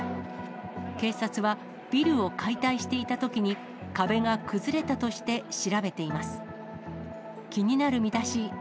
警察は、ビルを解体していたときに、壁が崩れたとして調べています。